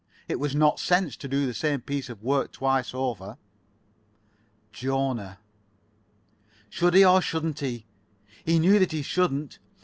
It was not sense to do the same piece of work twice over. Jona. Should he, or shouldn't he? He knew that he shouldn't.